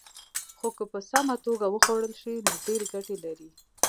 خو که په سمه توګه وخوړل شي، نو ډېرې ګټې لري.